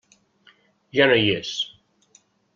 Ja no hi és.